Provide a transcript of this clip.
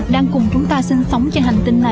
đang cùng chúng ta sinh sống cho hành tinh này